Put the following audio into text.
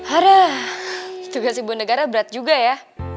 harah tugas ibu negara berat juga ya